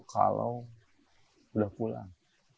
kalau sudah pulang